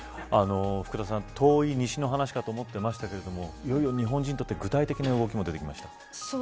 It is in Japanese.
福田さん、遠い西の話かと思っていましたが、いよいよ日本人にとって具体的な動きになってきました。